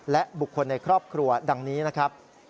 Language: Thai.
และบุคคลในครอบครัวดังนี้นะครับ